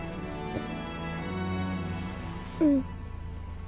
うん。